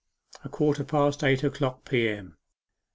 A QUARTER PAST EIGHT O'CLOCK P.M.